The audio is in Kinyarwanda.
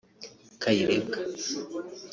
Kayirebwa